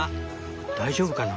大丈夫かな？